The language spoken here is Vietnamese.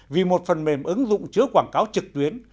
vì một phần mềm ứng dụng chứa quảng cáo trực tuyến